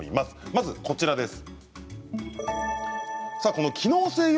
まずは、こちらです。